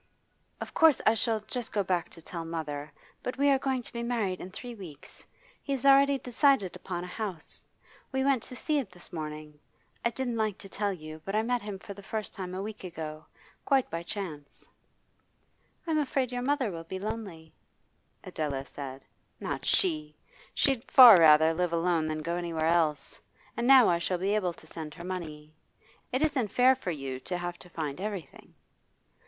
'Of course I shall just go back to tell mother, but we are going to be married in three weeks. He has already decided upon a house; we went to see it this morning. I didn't like to tell you, but I met him for the first time a week ago quite by chance.' 'I'm afraid your mother will be lonely,' Adela said. 'Not she! She'd far rather live alone than go anywhere else. And now I shall be able to send her money. It isn't fair for you to have to find everything.